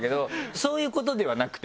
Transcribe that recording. そういうことではなくて？